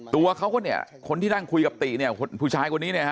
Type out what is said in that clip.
ตัวเขาก็เนี่ยคนที่นั่งคุยกับติเนี่ยผู้ชายคนนี้เนี่ยฮะ